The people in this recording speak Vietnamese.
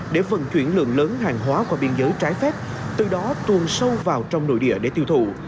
để vận chuyển lượng lớn hàng hóa qua biên giới trái phép từ đó tuồn sâu vào trong nội địa để tiêu thụ